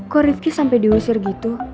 kok rifki sampai diusir gitu